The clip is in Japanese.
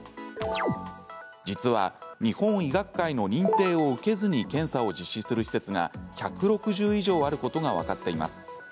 実は、日本医学会の認定を受けずに検査を実施する施設が１６０以上あることが分かっています。